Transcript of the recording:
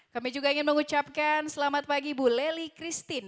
kami juga ingin mengucapkan selamat pagi ibu leli christine